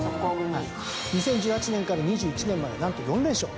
２０１８年から２１年まで何と４連勝。